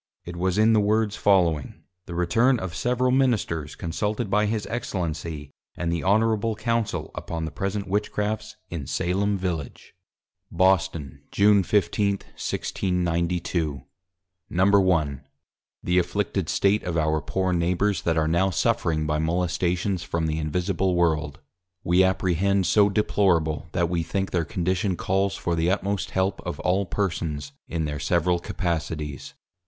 It was in the Words following: The Return of several Ministers consulted by his Excellency, and the Honourable Council, upon the present Witchcrafts in Salem Village. Boston, June 15, 1692. I. _The afflicted State of our poor Neighbours, that are now suffering by Molestations from the Invisible World, we apprehend so deplorable, that we think their Condition calls for the utmost help of all Persons in their several Capacities.